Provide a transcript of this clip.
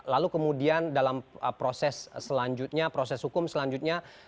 lalu kemudian dalam proses selanjutnya proses hukum selanjutnya